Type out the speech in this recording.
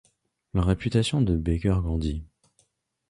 La réputation de Becker grandi.